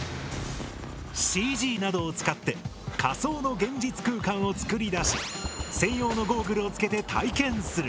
ＣＧなどを使って仮想の現実空間を作り出し専用のゴーグルをつけて体験する。